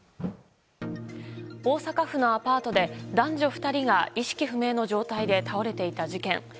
大阪府のアパートで男女２人が意識不明の状態で倒れていた事件。